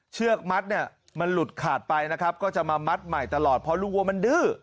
เชือกมัดเนี่ยมันหลุดขาดไปนะครับก็จะมามัดใหม่ตลอดเพราะลูกวัวมันดื้อ